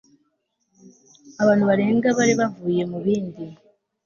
abantu barenga bari bavuye mu bindi